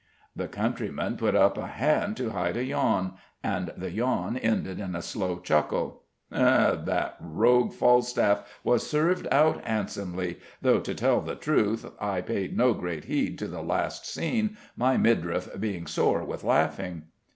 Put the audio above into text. The countryman put up a hand to hide a yawn: and the yawn ended in a slow chuckle. "Eh? that rogue Falstaff was served out handsomely: though, to tell the truth, I paid no great heed to the last scene, my midriff being sore with laughing."